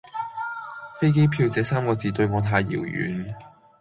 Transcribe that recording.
飛機票這三個字對我太遙遠